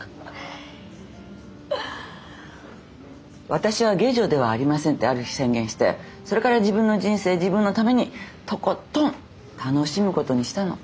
「私は下女ではありません」ってある日宣言してそれから自分の人生自分のためにとことん楽しむことにしたの。